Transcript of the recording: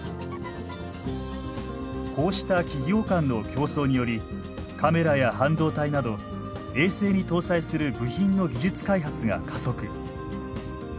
こうした企業間の競争によりカメラや半導体など衛星に搭載する部品の技術開発が加速。